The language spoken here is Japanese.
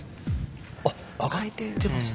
あ上がってます。